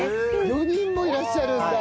４人もいらっしゃるんだ。